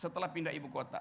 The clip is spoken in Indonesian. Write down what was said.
setelah pindah ibu kota